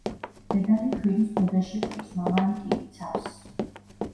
დედალი ქვირითს ბუდეში ყრის, მამალი კი იცავს.